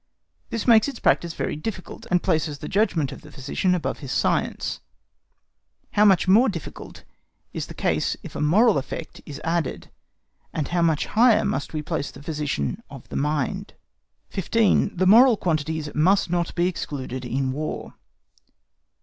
This makes its practice very difficult, and places the judgment of the physician above his science; but how much more difficult is the case if a moral effect is added, and how much higher must we place the physician of the mind? 15. THE MORAL QUANTITIES MUST NOT BE EXCLUDED IN WAR.